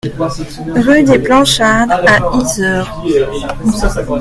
Rue des Planchards à Yzeure